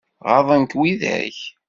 Ɣaḍen-k widak?